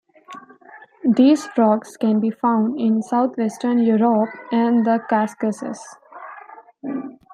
These frogs can be found in southwestern Europe and the Caucasus.